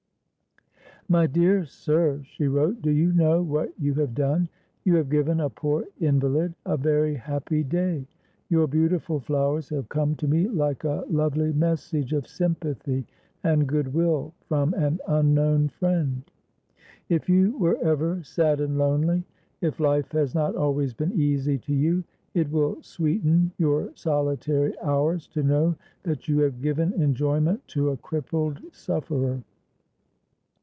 "MY DEAR SIR," she wrote, "do you know what you have done? You have given a poor invalid a very happy day. Your beautiful flowers have come to me like a lovely message of sympathy and goodwill from an unknown friend. "If you were ever sad and lonely, if life has not always been easy to you, it will sweeten your solitary hours to know that you have given enjoyment to a crippled sufferer.